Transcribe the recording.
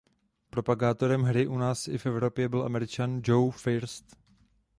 Propagátorem hry u nás i v Evropě byl Američan Joe First.